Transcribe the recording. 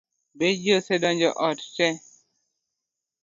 Be ji osedonjo ot tee?